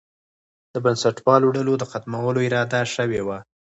د بنسټپالو ډلو د ختمولو اراده شوې وه.